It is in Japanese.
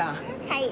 はい。